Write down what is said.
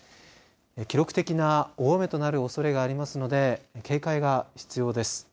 記録的な大雨となるおそれがありますので警戒が必要です。